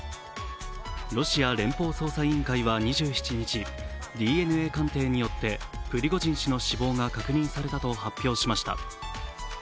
ロシア連邦捜査委員会は２７日ＤＮＡ鑑定によってプリゴジン氏の死亡が確認されたと発表しました。